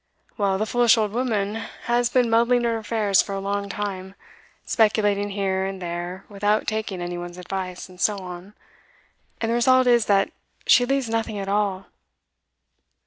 Well, the foolish old woman has been muddling her affairs for a long time, speculating here and there without taking any one's advice, and so on; and the result is that she leaves nothing at all.